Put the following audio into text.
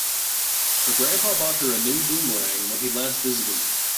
Her grandpa bought her a new boomerang when he last visited.